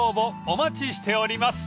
お待ちしております］